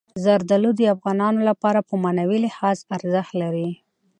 زردالو د افغانانو لپاره په معنوي لحاظ ارزښت لري.